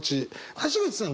橋口さん